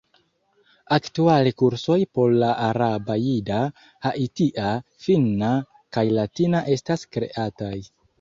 Aktuale kursoj por la araba, jida, haitia, finna, kaj latina estas kreataj.